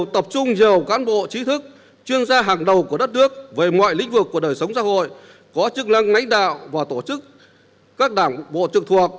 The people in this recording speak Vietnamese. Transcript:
tập trung nhiều cán bộ trí thức chuyên gia hàng đầu của đất nước về mọi lĩnh vực của đời sống xã hội có chức năng lãnh đạo và tổ chức các đảng bộ trực thuộc